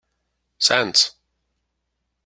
Sɛan-tt.